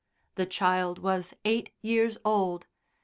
The child was eight years old.